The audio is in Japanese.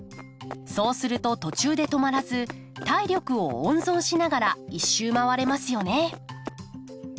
そうすると途中で止まらず体力を温存しながら１周回れますよね。